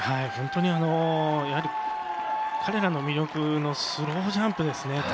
本当に彼らの魅力のスロージャンプですね。